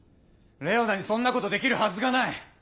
レオナにそんなことできるはずがない。